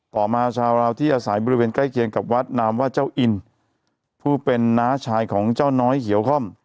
ต่อมาชาวราวที่อาศัยบริเวณใกล้เคียงกับวัดนามว่าเจ้าอินผู้เป็นน้าชายของเจ้าน้อยเขียวค่อม